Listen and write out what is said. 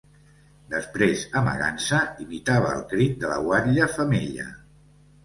Després, amagant-se, imitava el crit de la guatlla femella